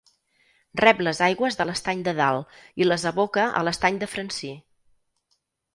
Rep les aigües de l'Estany de Dalt, i les aboca a l'Estany de Francí.